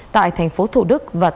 tại tp thủ đức và tp hcm